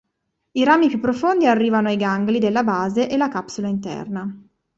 I rami più profondi arrivano ai gangli della base e la capsula interna.